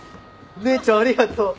姉ちゃんありがとう。